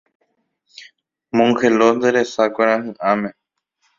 Mongelós nde resa kuarahyʼãme.